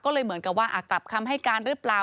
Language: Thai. ก็เลยเหมือนกับว่ากลับคำให้การหรือเปล่า